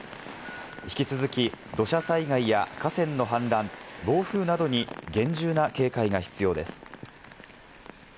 引き続き土砂災害や河川の氾濫、暴風などに厳重な警戒が必要です。